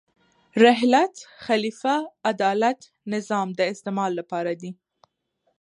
رحلت، خلیفه، عدالت، نظام د استعمال لپاره دي.